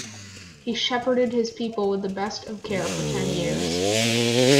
He shepherded his people with the best of care for ten years.